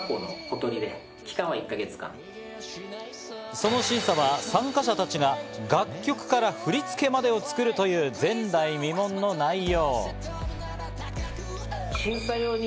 その審査は参加者たちが楽曲から振り付けまでを作るという前代未聞の内容。